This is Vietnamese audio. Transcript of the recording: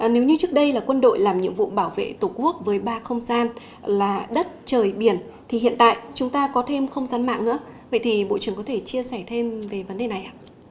nếu như trước đây là quân đội làm nhiệm vụ bảo vệ tổ quốc với ba không gian là đất trời biển thì hiện tại chúng ta có thêm không gian mạng nữa vậy thì bộ trưởng có thể chia sẻ thêm về vấn đề này ạ